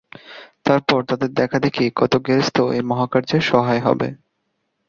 তারপর তাদের দেখাদেখি কত গেরস্ত এই মহাকার্যে সহায় হবে।